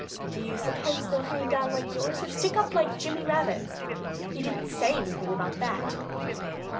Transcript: Do you suppose they'd hang down like yours or stick up like Jimmy Rabbit's? He didn't say anything about that."